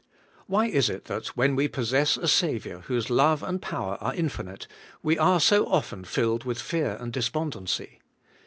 ^Why is it that, when we possess a Saviour whose love and power are infinite, we are so often filled with fear and despondency?